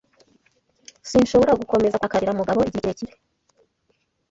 Sinshobora gukomeza kurakarira Mugabo igihe kirekire.